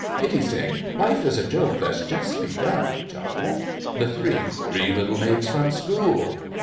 PITTI SING. Life is a joke that's just begun! THE THREE. Three little maids from school!